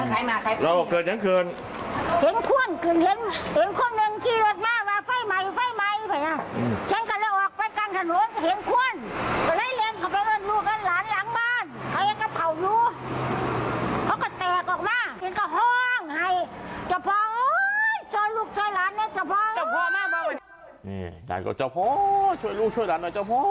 นี่ดันเกี่ยวกับเจ้าพ่อช่วยลูกช่วยดันน่ะเจ้าพ่อ